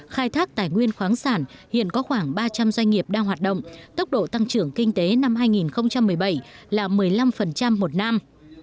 khai thác tài nguyên khoáng sản hiện có khoảng ba trăm linh doanh nghiệp đang hoạt động tốc độ tăng trưởng kinh tế năm hai nghìn một mươi bảy là một mươi năm một năm